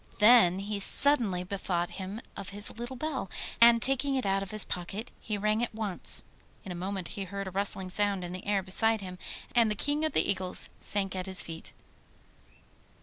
Then he suddenly bethought him of his little bell, and taking it out of his pocket he rang it once. In a moment he heard a rustling sound in the air beside him, and the King of the Eagles sank at his feet.